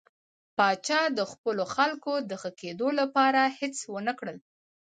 پاچا د خپلو خلکو د ښه کېدو لپاره هېڅ ونه کړل.